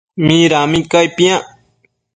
Midami cai piac?